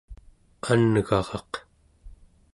an'garaq